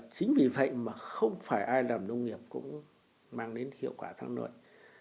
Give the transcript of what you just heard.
chính vì vậy mà không phải ai làm nông nghiệp cũng mang đến hiệu quả tham luận